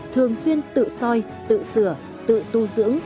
thường xuyên tự soi tự sửa tự tu dưỡng